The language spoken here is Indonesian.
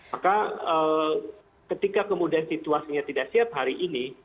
maka ketika kemudian situasinya tidak siap hari ini